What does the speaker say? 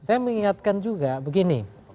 saya mengingatkan juga begini